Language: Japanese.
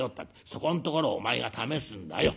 そこんところをお前が試すんだよ」。